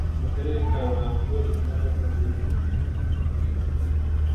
mu Karere ka Ruhango Intara ya amajyepfo